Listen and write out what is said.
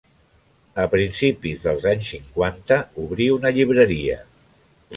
A principis dels anys cinquanta, obrí una llibreria.